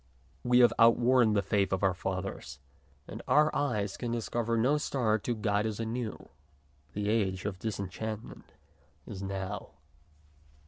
We have outworn the faith of our fathers, and our eyes can dis cover no star to guide us anew. The age of disenchantment is now.